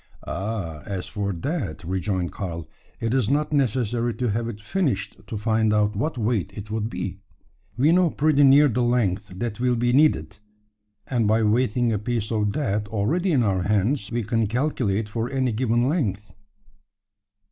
"Oh! as for that," rejoined Karl, "it is not necessary to have it finished to find out what weight it would be. We know pretty near the length that will be needed, and by weighing a piece of that already in our hands, we can calculate for any given length."